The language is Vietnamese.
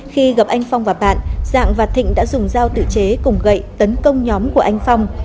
khi gặp anh phong và bạn dạng và thịnh đã dùng dao tự chế cùng gậy tấn công nhóm của anh phong